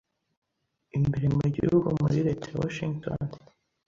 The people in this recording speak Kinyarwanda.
imbere mu gihugu, muri leta ya Washington